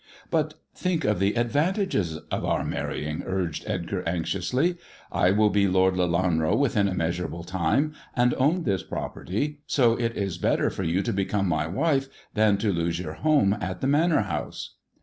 " But think of the advantages of our marrying," urged Edgar anxiously. "I will be Lord Lelanro within a measurable time, and own this property, so it is better for you to become my wife than to lose your home at the Manor House."